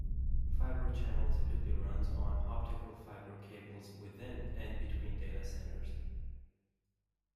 Fibre Channel typically runs on optical fiber cables within and between data centers.